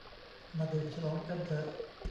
มาดื่มฉลองกันเถอะ